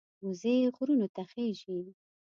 وزې غرونو ته خېژي